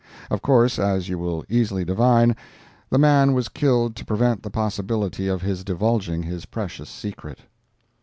Of course, as you will easily divine, the man was killed to prevent the possibility of his divulging his precious secret.